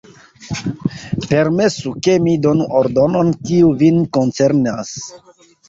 Permesu, ke mi donu ordonon, kiu vin koncernas.